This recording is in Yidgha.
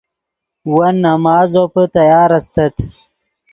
ون نماز زوپے تیار استت